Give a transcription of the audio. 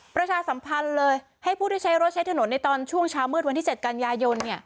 ประชาสัมพันธ์เลยให้ผู้ที่ใช้รถใช้ถนนในตอนช่วงเช้ามืดวันที่๗กันยายน